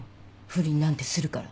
不倫なんてするから。